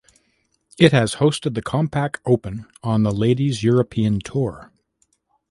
It has hosted the Compaq Open on the Ladies European Tour.